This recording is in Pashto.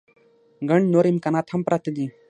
ګڼ نور امکانات هم پراته دي.